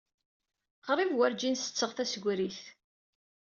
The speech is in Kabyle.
Qrib werǧin setteɣ tasegrit.